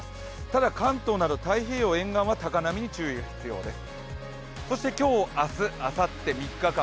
ただ、関東など太平洋沿岸は高波に注意が必要です。